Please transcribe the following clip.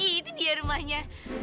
eh itu dia rumahnya